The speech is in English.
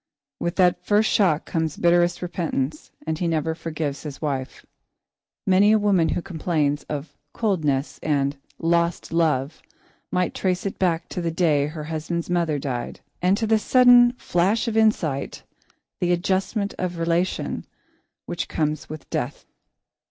With that first shock comes bitterest repentance and he never forgives his wife. Many a woman who complains of "coldness" and "lost love" might trace it back to the day her husband's mother died, and to the sudden flash of insight, the adjustment of relation, which comes with death.